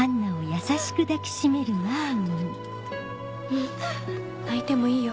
うん泣いてもいいよ